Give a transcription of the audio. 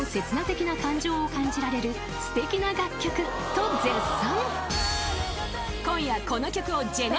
［と絶賛］